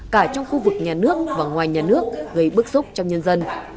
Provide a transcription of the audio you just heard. cả trong khu vực nhà nước và ngoài nhà nước gây bức xúc trong nhân dân